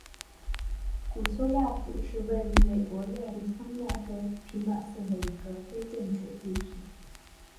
古丘亚普是位于美国亚利桑那州皮马县的一个非建制地区。